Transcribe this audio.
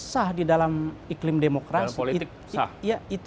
sah di dalam iklim demokrasi